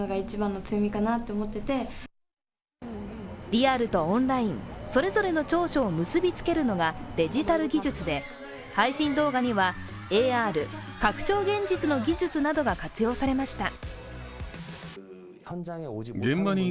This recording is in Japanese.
リアルとオンライン、それぞれの長所を結びつけるのがデジタル技術で、配信動画にはＡＲ＝拡張現実の技術などが活用されました。